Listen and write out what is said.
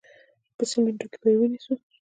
په سمینټو کې به یې ونیسو.